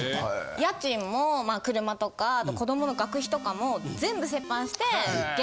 家賃も車とか子どもの学費とかも全部折半して。